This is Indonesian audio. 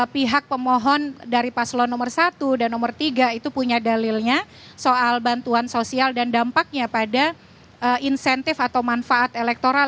pihak pemohon dari paslon nomor satu dan nomor tiga itu punya dalilnya soal bantuan sosial dan dampaknya pada insentif atau manfaat elektoral